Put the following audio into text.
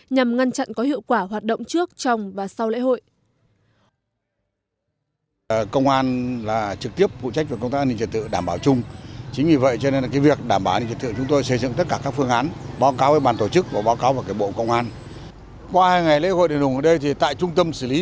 nhằm ngăn chặn có hiệu quả hoạt động trước trong và sau lễ hội